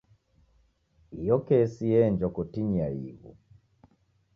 Iyo kesi yeenjwa kotinyi ya ighu.